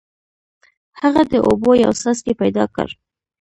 هغه د اوبو یو څاڅکی پیدا کړ.